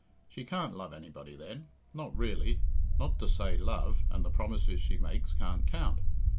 She can't love anybody then not really not to say love, and the promises she makes can't count.